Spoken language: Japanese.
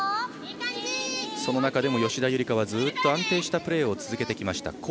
その中でも吉田夕梨花はずっと安定したプレーを続けてきました。